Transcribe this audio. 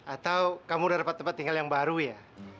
atau kamu dapat tempat tinggal yang baru ya